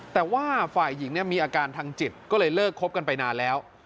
แต่ว่าฝ่ายหญิงมีอาการทางจิตก็เลยเลิกคบกันไปนานแล้ว